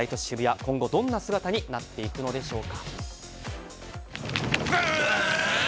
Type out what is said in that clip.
今後、どんな姿になっていくのでしょうか。